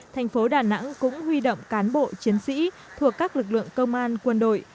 thành phố đà nẵng cũng huy động cán bộ chiến sĩ thuộc các lực lượng công an quân đội